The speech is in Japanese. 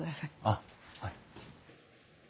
あっはい。